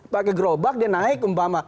pakai gerobak dia naik umpama